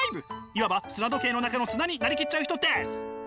いわば砂時計の中の砂になり切っちゃう人です。